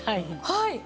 はい！